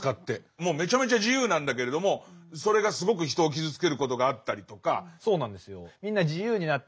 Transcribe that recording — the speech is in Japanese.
もうめちゃめちゃ自由なんだけれどもそれがすごく人を傷つけることがあったりとか。